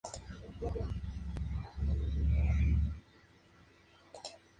La palabra latina "lutra" significa "nutria", y "-similis" quiere decir "similar a".